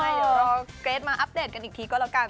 เดี๋ยวรอเกรทมาอัปเดตกันอีกทีก็แล้วกัน